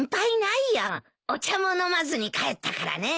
お茶も飲まずに帰ったからね。